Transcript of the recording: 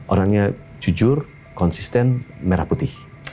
orangnya jujur konsisten merah putih